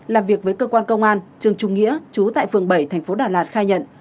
làm việc với cơ quan công an trương trung nghĩa chú tại phường bảy thành phố đà lạt khai nhận